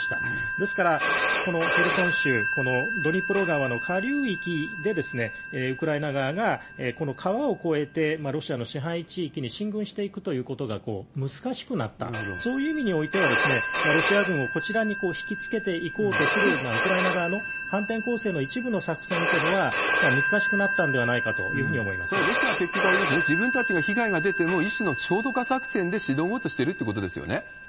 ですから、このヘルソン州、このドニプロ川の下流域で、ウクライナ側がこの川を越えて、ロシアの支配地域に進軍していくということが難しくなった、そういう意味においては、ロシア軍をこちらに引きつけていこうとするウクライナ側の反転攻勢の一部の作戦というのは、難しくなったのではないかというふうロシアは結局あれですね、自分たちが被害が出ても、一種の焦土化作戦で挑もうとしているということですよね。